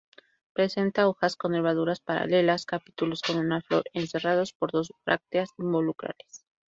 Presenta hojas con nervaduras paralelas, capítulos con una flor encerrados por dos brácteas involucrales.